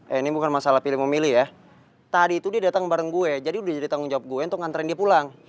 eh ini bukan masalah pilih memilih ya tadi itu dia datang bareng gue jadi udah jadi tanggung jawab gue untuk nganterin dia pulang